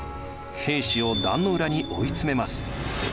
平氏を壇の浦に追い詰めます。